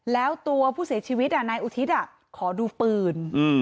แล้วตัวผู้เสียชีวิตนายอุทิศขอดูปืน